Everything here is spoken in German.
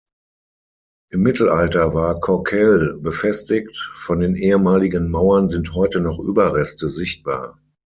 Im Mittelalter war Corcelles befestigt; von den ehemaligen Mauern sind heute noch Überreste sichtbar.